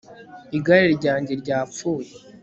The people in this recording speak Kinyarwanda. igare ryanjye ryapfuye